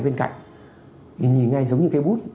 bên cạnh nhìn ngay giống như cái bút